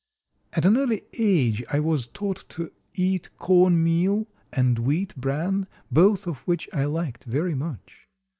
At an early age I was taught to eat cornmeal and wheat bran, both of which I liked very much.